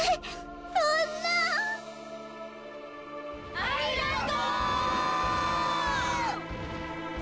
ありがとう！